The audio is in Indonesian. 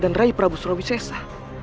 dan rai prabu surawisesa